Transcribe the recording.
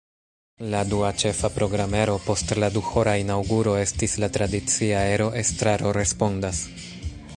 La dua ĉefa programero post la duhora inaŭguro estis la tradicia ero “Estraro respondas”.